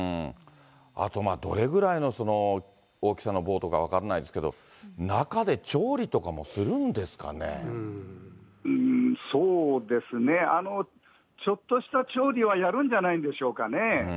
あとまあ、どれぐらいの大きさのボートか分かんないですけど、そうですね、ちょっとした調理はやるんじゃないんでしょうかね。